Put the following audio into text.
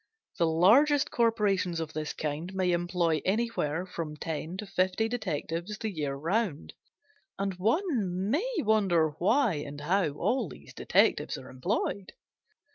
The largest corporations of this kind may employ anywhere from ten to fifty detectives the year round, and one may wonder why and how all these detectives are employed.